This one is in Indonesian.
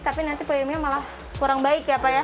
tapi nanti voyumnya malah kurang baik ya pak ya